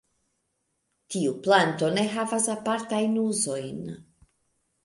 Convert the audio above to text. Tiu planto ne havas apartajn uzojn.